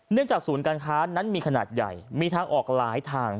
จากศูนย์การค้านั้นมีขนาดใหญ่มีทางออกหลายทาง